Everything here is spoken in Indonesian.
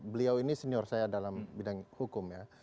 beliau ini senior saya dalam bidang hukum ya